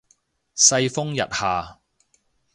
世風日下